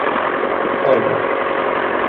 Folga